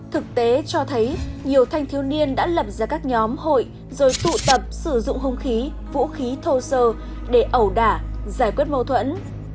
thực tế cho thấy nhiều thanh thiếu niên đã lập ra các nhóm hội rồi tụ tập sử dụng hung khí vũ khí thô sơ để ẩu đả giải quyết mâu thuẫn